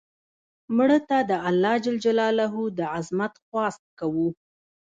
مړه ته د الله ج د عظمت خواست کوو